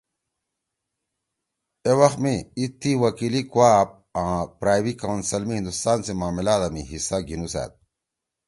اے وَخ می تی وکیِلی کُوا آپ آں پرائوی کونسل (Privy Council) می ہندوستان سی معاملادا می حصہ گھیِنُوسأد